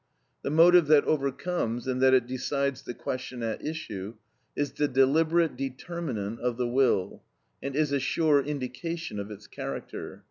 The motive that overcomes, in that it decides the question at issue, is the deliberate determinant of the will, and is a sure indication of its character.